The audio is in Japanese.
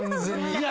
いや。